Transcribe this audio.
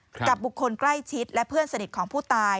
บุคคลใกล้ชิดและเพื่อนสนิทของผู้ตาย